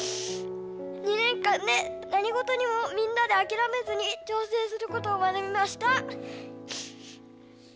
２年間でなにごとにもみんなであきらめずに挑戦することを学びました。